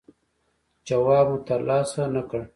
جواب مو ترلاسه نه کړ.